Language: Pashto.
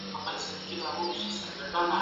کلتوري اړيکي د پرمختګ لپاره اړيني دي.